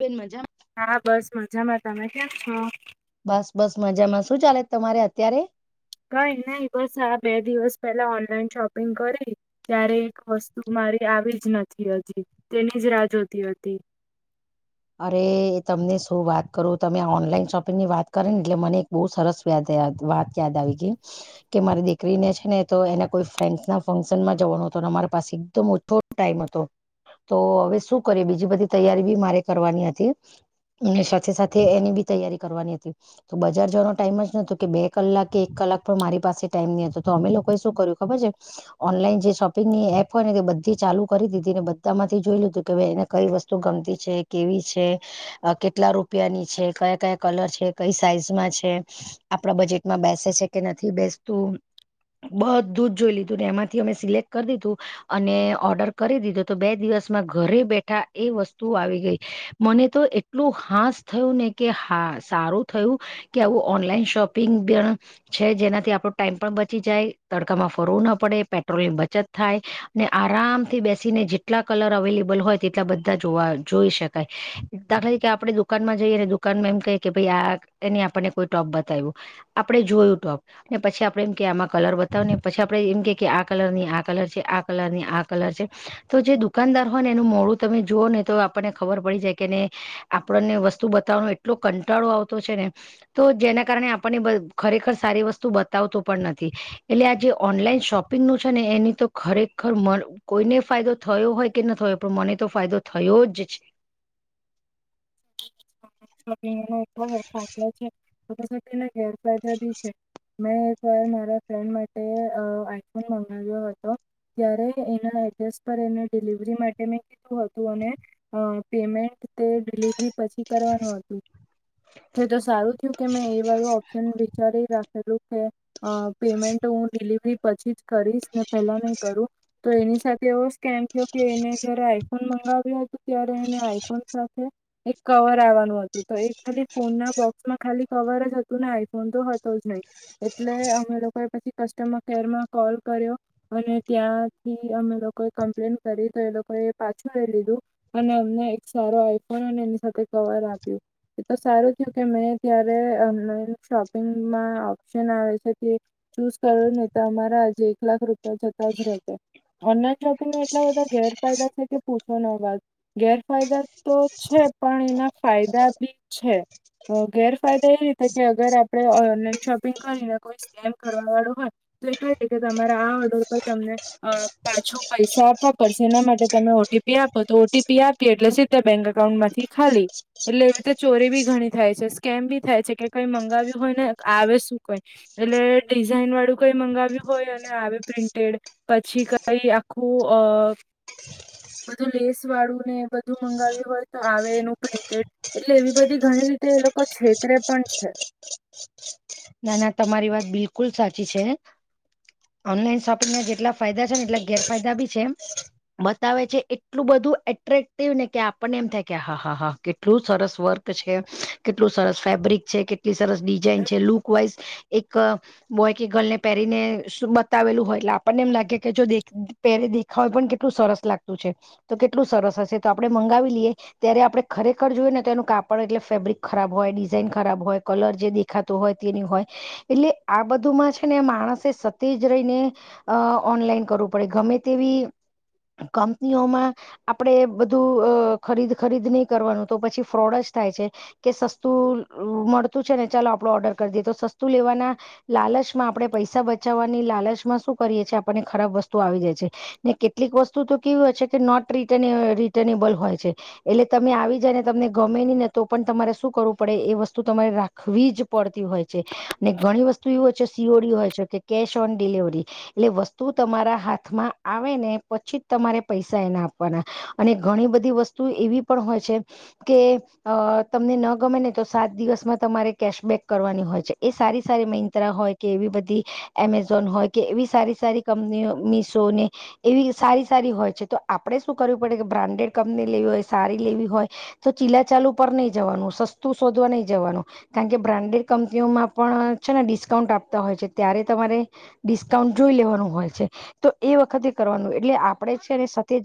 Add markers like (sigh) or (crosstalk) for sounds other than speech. બેન મજા હા બસ મજામાં. તમે કેમ છો? બસ બસ મજામાં શું ચાલે તમારે અત્યારે? કંઈ નહીં બસ આપ બે દિવસ પહેલા ઓનલાઈન શોપિંગ કરી ત્યારે એક વસ્તુ મારી આવી જ નથી હજી તેની જ રાહ જોતી હતી. અરે તમને શું વાત કરું તમે ઓનલાઈન શોપિંગ ની વાત કરી ને એટલે મને એક બહુ સરસ વાત વાત યાદ આવી ગઈ. કે મારી દીકરીને છે ને તો એને કોઈ ફ્રેન્ડ્સના ફંક્શનમાં જવાનો હતો ને મારી પાસે એકદમ ઓછો ટાઈમ હતો તો હવે શું કરી બીજી બધી તૈયારી બી મારે કરવાની હતી. અને સાથે સાથે એની બી તૈયારી કરવાની હતી. તો બજાર જવાનો ટાઈમ જ નતો કે બે કલાક કે એક કલાક પણ મારી પાસે ટાઈમ ની હતો. તો અમે લોકોએ શું કર્યું ખબર છે ઓનલાઈન જે શોપિંગની એપ હોય ને એ બધી ચાલુ કરી દીધી ને બધામાંથી જોય લીધું કે ભાઈ એને કઈ વસ્તુ ગમતી છે. કેવી છે, કેટલા રૂપિયાની છે, કયા કયા કલર છે, કઈ સાઈઝમાં છે, આપડા બજેટમાં બેસે છે કે નથી બેસતું, બધું જ જોઈ લીધુંને એમાંથી અમે સિલેક્ટ કરી દીધું અને ઓર્ડર કરી દીધો તો બે દિવસમાં ઘરે બેઠા એ વસ્તુ આવી ગઈ. મને તો એટલું હાસ થયું ને કે હા સારું થયું કે આવું ઓનલાઈન શોપિંગ પણ છે. જેનાથી આપણો ટાઈમ પણ બચી જાય, તડકામાં ફરવું ના પડે, પેટ્રોલ ની બચત થાય, ને આરામથી બેસીને જેટલા કલર અવેલેબલ હોય તેટલા બધા જોવા જોઈ શક કાય દાખલા તરીકે આપણે દુકાનમાં જઈએ ને દુકાનમાં એમ કઈ કે ભાઈ આ એને આપણને કોઈ ટોપ બતાવ્યું આપણે જોયું ટોપ ને પછી આપડે એમ કહીએ કે આમાં કલર બતાવને પછી આપડે એમ કે કે આ કલર ની આ કલર છે આ કલર ની આ કલર છે તો જે દુકાનદાર હોય ને એનું મોડું તમે જુઓ ને તો આપણને ખબર પડી જાય કે ને આપણને વસ્તુ બતાવવાનો એટલો કંટાળો આવતો છે ને તો જેના કારણે આપણને ખરેખર સારી વસ્તુ બતાવતો પણ નથી. એટલે આ જે ઓનલાઈન શોપિંગ નું છે ને એની તો ખરેખર મ કોઈને ફાયદો થયો હોય કે ન થયો પણ મને તો ફાયદો થયો જ છે. (inaudible) પણ તેના ગેરફાયદા બી છે મેં એક વાર મારા ફ્રેન્ડ માટે આઈફોન મંગાવ્યો હતો. ત્યારે એના એડ્રેસ પર એને ડિલિવરી માટે મેં કીધું હતું અને અ પેમેન્ટ તે પછી કરવાનું હતું તે તો સારું થયું કે મેં એ વાળું ઓપ્શન વિચારી રાખેલું. (inaudible) અ પેમેન્ટ હું ડિલિવરી પછી જ કરીશ ને પેલા નહી કરું તો એની સાથે એવો સ્કેમ થયો કે એને જયારે આઈફોન મંગાવ્યો હતો ત્યારે એને આઈફોન સાથે એક કવર આવવાનું હતું. તો એ ખાલી ફોનના બોક્સમાં ખાલી કવર જ હતું ને આઈફોન તો હતો જ નહી એટલે અમે લોકોએ પછી કસ્ટમર કેરમાં કોલ કર્યો અને ત્યાંથી અમે લોકોએ કમ્પ્લેન કરી તો એ લોકોએ પાછું એ લીધું અને અમને એક સારો આઈ ફોન અને એની સાથે કવર આપ્યું. એ તો સારું થયું કે મેં ત્યારે ઓનલાઈન શોપિંગમાં ઓપ્શન આવે છે તે ચૂઝ કર્યો નહીં તો અમારા આજે એક લાખ રૂપિયા થતા જ રહેતા. ઓનલાન શોપિંગ એટલા બધા ગેરફાયદા છે કે પૂછો ના વાત ગેરફાયદા તો છે. પણ એના ફાયદા બી છે ગેરફાયદા એ રીતે કે અગર આપણે ઓનલાઈન શોપિંગ કરીને કોઈ સ્કેમ કરવા વાળું હોય તો એ કઈ રીતે કે તમારા આ ઓર્ડર પર તમને પાછો પૈસા આપવા પડશે એના માટે તમે ઓ ટી પી આપો તો ઓ ટી પી આપીએ એટલે સીધા બેંક અકાઉન્ટમાંથી ખાલી એટલે એવી રીતે ચોરી બી ઘણી થાય છે, સ્કેમ બી થાય છે. કે કઈ મંગાવ્યું હોય ને આવે શું કઈ એટલે ડિઝાઇન વાળું કઈ મંગાવ્યું હોય અને આવે પ્રિન્ટેડ પછી કઈ આખું અ બધું લેસવાળું ને બધું મંગાવ્યું હોય. તો આવે એનું પ્રિન્ટેડ એટલે એવી બધી ઘણી રીતે એ લોકો છેતરે પણ છે. ના ના તમારી વાત બિલકુલ સાચી છે. ઓનલાઈન શોપિંગમાં જેટલા ફાયદા છે ને એટલા ગેરફાયદા બી છે. બતાવે છે એટલું બધું એટ્રેક્ટિવ ને કે આપણને એમ થાય કે હા હા હા કેટલું સરસ વર્ક છે, કેટલું સરસ ફેબ્રિક છે, કેટલી સરસ ડિઝાઇન છે, લુક વાઈઝ એક બોય કે ગર્લ ને પહેરીને બતાવેલું હોય એટલે આપણને એમ લાગે કે જો દેખ પહેરી દેખાવે પણ કેટલું સરસ લાગતું છે. તો કેટલું સરસ હશે તો આપણે મંગાવી લઈએ ત્યારે આપણે ખરેખર જોયું ને તો એનું કાપડ એટલે ફેબ્રિક ખરાબ હોય, ડિઝાઇન ખરાબ હોય, કલર જે દેખાતો હોય તે ની હોય એટલે આ બધુંમાં છે ને માણસે સતીજ રહીને અ ઓનલાઈન કરવું પડે ગમે તેવી કંપનીઓમાં આપણેે બધું અ ખરીદ ખરીદ નહી કરવાનું તો પછી ફ્રોડ જ થાય છે કે સસ્તું મળતું છે ને ચાલો આપડો ઓર્ડર કરી દે તો સસ્તું લેવાના લાલચમાં આપણે પૈસા બચાવવાની લાલચમાં શું કરીએ છીએ આપણને ખરાબ વસ્તુ આવી જાય છે. ને કેટલીક વસ્તુ તો કેવી હોય છે કે નોટ ર રિટર્નેબલ હોય છે એટલે તમે આવી જાય ને તમને ગમે ની ને તો પણ તમારે શું કરવું પડે એ વસ્તુ તમારે રાખવી જ તી હોય છે. ને ઘણી વસ્તુ એવી છે સિ ઓ ડી હોય છે કે કેશ ઓન ડિલવરી એટલે વસ્તુ તમારા હાથમાં આવે ને પછી જ તમારે પૈસા એને આપવાના અને ઘણી બધી વસ્તુ એવી પણ હોય છે કે અ તમને ન ગમે ને તો સાત દિવસમાં તમારે કેશબેક કરવાની હોય છે. એ સારી સારી મીત્રા હોય કે એવી બધી એમેઝોન હોય કે એવી સારી સારી કંપનીઓ મિશોને એવી સારી સારી હોય છે તો આપડે શું કરવું પડે કે બ્રાન્ડેડ કંપની લેવી હોય સારી લેવી હોય તો ચીલા ચાલુ પર નહી જવાનું સસ્તું શોધવા નહી જવાનું કારણ કે બ્રાન્ડેડ કંપનીઓમાં પણ છે ને ડિસ્કાઉન્ટ આપતા હોય છે. ત્યારે તમારે ડિસ્કાઉન્ટ જોઈ લેવાનું હોય છે તો એ વખતે કરવાનું એટલે આપણેે છેને સતેજ